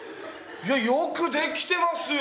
よく出来てますよ！